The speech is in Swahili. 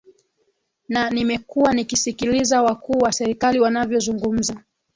na nimekuwa nikisikiliza wakuu wa serikali wanavyo zungumza